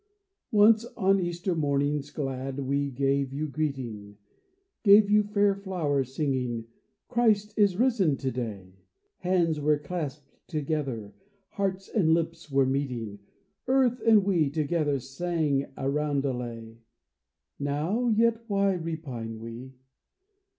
Once on Easter mornings glad we gave you greeting — Gave you fair flowers, singing, " Christ is risen to day !" Hands were clasped together, hearts and lips were meeting — Earth and we together sang a roundelay ! Now — yet why repine we